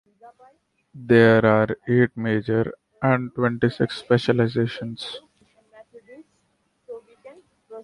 There are eight majors and twenty-six specializations.